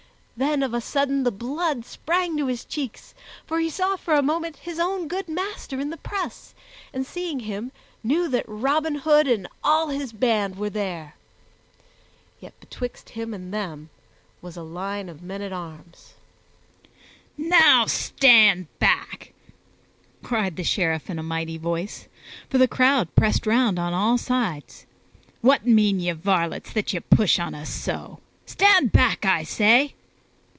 Then of a sudden the blood sprang to his cheeks, for he saw for a moment his own good master in the press and, seeing him, knew that Robin Hood and all his band were there. Yet betwixt him and them was a line of men at arms. "Now, stand back!" cried the Sheriff in a mighty voice, for the crowd pressed around on all sides. "What mean ye, varlets, that ye push upon us so? Stand back, I say!"